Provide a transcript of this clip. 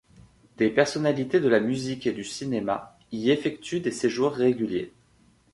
Des personnalités de la musique et du cinéma y effectuent des séjours réguliers.